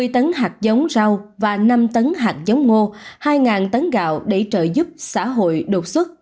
hai mươi tấn hạt giống rau và năm tấn hạt giống ngô hai tấn gạo để trợ giúp xã hội đột xuất